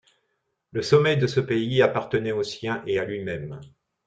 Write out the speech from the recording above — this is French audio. Le sommeil de ce pays appartenait aux siens et à lui-même.